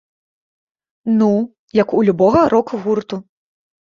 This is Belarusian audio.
Ну, як у любога рок-гурту.